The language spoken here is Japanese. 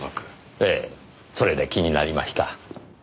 ええそれで気になりました。